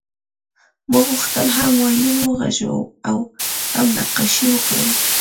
ما غوښتل هم وایلون وغږوم او هم نقاشي وکړم